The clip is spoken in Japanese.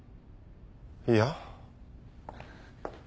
いや。